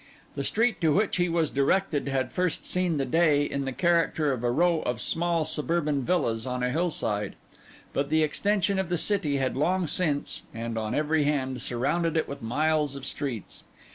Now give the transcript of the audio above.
The street to which he was directed had first seen the day in the character of a row of small suburban villas on a hillside; but the extension of the city had long since, and on every hand, surrounded it with miles of streets.